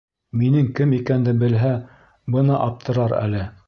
—Минең кем икәнде белһә, бына аптырар әле!